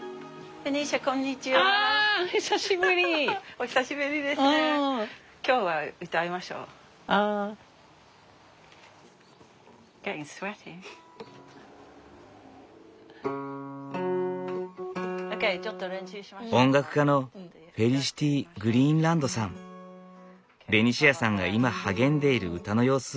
ベニシアさんが今励んでいる歌の様子を見に来てくれた。